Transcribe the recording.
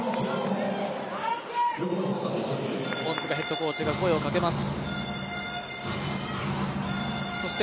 恩塚ヘッドコーチが声をかけます。